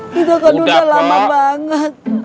kita kan udah lama banget